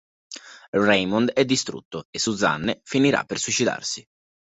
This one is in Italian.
Raymond è distrutto e Suzanne finirà per suicidarsi.